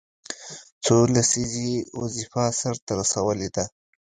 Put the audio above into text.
څو لسیزې یې وظیفه سرته رسولې ده.